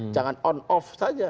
jangan on off saja